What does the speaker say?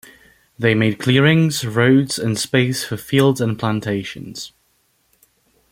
They made clearings, roads and space for fields and plantations.